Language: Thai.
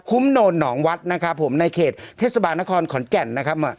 โนนหนองวัดนะครับผมในเขตเทศบาลนครขอนแก่นนะครับ